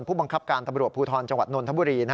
ผู้บังคับการตำรวจภูทรจังหวัดนนทบุรี